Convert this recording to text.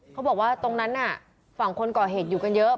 เขาบอกว่าตรงนั้นน่ะฝั่งคนก่อเหตุอยู่กันเยอะ